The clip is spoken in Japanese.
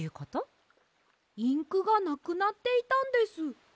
インクがなくなっていたんです。